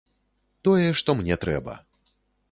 Тое, што мне трэба.